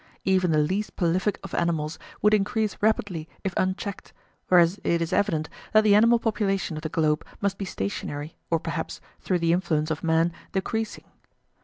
Even the least prolific of animals would increase rapidly if unchecked, whereas it is evident that the animal population of the globe must be stationary, or perhaps, through the influence of man, decreasing.